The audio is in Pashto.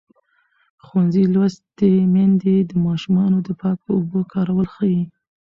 ښوونځې لوستې میندې د ماشومانو د پاکو اوبو کارول ښيي.